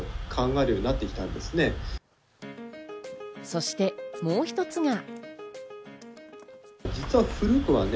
そしてもう１つが。